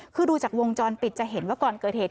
คือดูจากวงจรปิดจะเห็นว่าก่อนเกิดเหตุ